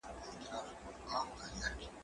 زه اوږده وخت چپنه پاکوم؟!